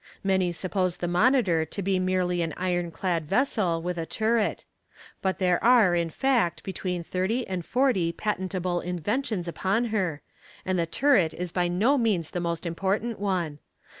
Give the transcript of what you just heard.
Many suppose the Monitor to be merely an iron clad vessel, with a turret; but there are, in fact, between thirty and forty patentable inventions upon her, and the turret is by no means the most important one.